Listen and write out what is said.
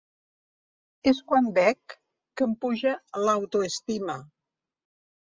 És quan bec que em puja l'autoestima.